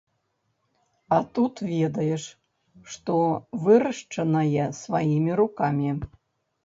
А тут ведаеш, што вырашчанае сваімі рукамі.